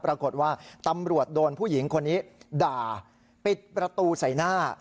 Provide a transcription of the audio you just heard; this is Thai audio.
ปรากฏว่าตำรวจโดนผู้หญิงคนนี้ด่าปิดประตูใส่หน้า